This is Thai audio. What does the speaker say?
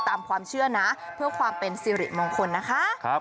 ตามความเชื่อนะเพื่อความเป็นสิริมงคลนะคะ